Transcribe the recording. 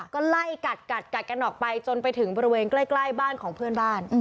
ก็ไล่กัดกันออกไปจนไปถึงบริเวณใกล้บ้านของเพื่อนบ้าน